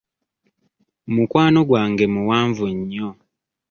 Mukwano gwange muwanvu nnyo.